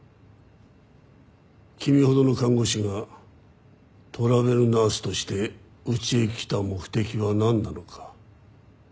君ほどの看護師がトラベルナースとしてうちへ来た目的はなんなのか。